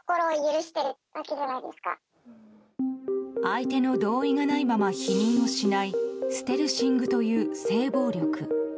相手の同意がないまま避妊をしないステルシングという性暴力。